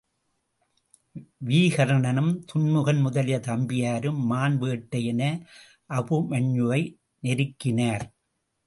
வீகர்ணனும் துன்முகன் முதலிய தம்பியரும் மான் வேட்டை என அபிமன்யுவை நெருக்கினர்.